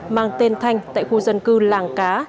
mang tên thanh tại khu dân cư làng cá